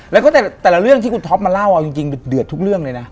แล้วก็แต่ละเรื่องที่คุณท็อปมาเล่าเอาจริงเดือดทุกเรื่องเลยนะ